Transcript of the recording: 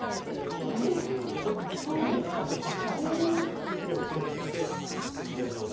そういう時はもうストップしてやり直す。